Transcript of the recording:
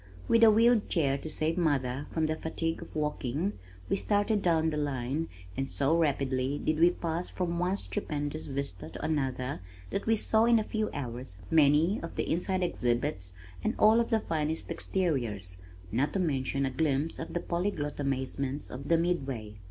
With a wheeled chair to save mother from the fatigue of walking we started down the line and so rapidly did we pass from one stupendous vista to another that we saw in a few hours many of the inside exhibits and all of the finest exteriors not to mention a glimpse of the polyglot amazements of the Midway.